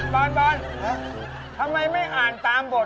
บอลทำไมไม่อ่านตามบท